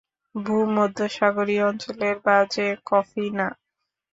ভূমধ্যসাগরীয় অঞ্চলের বাজে কফি না।